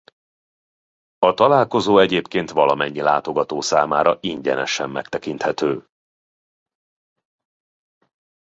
A találkozó egyébként valamennyi látogató számára ingyenesen megtekinthető.